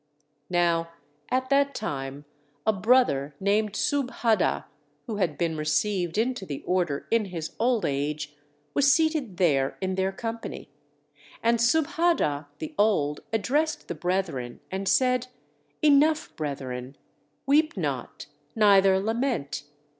Now at that time a brother named Subhadda, who had been received into the order in his old age, was seated there in their company. And Subhadda the old addressed the brethren and said: "Enough, brethren! Weep not, neither lament!